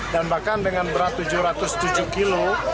dan bahkan dengan berat tujuh ratus tujuh kilo